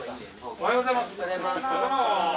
・おはようございます！